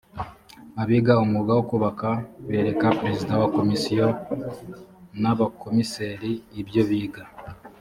abiga umwuga wo kubaka bereka perezida wa komisiyo n’abakomiseri ibyo biga